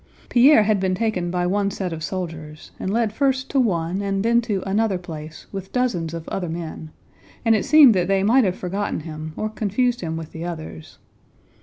Pierre had been taken by one set of soldiers and led first to one and then to another place with dozens of other men, and it seemed that they might have forgotten him, or confused him with the others.